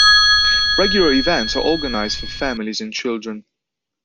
Regular events are organised for families and children.